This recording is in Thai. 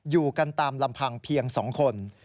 อยู่กันตามลำพังเพียง๒คน